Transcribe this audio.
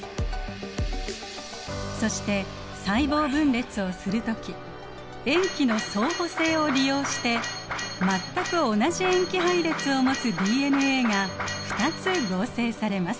そして細胞分裂をする時塩基の相補性を利用して全く同じ塩基配列を持つＤＮＡが２つ合成されます。